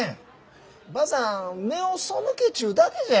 ばあさん目をそむけちゅうだけじゃ。